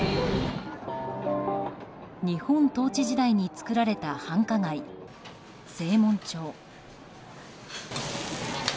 日本統治時代に作られた繁華街・西門町。